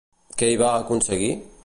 Què hi va aconseguir?